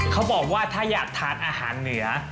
เขาบอกว่าถ้าอยากทานอาหารเหนือ